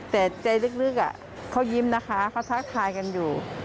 แต่ใจลึกเขายิ้มนะคะเขาทักทายกันอยู่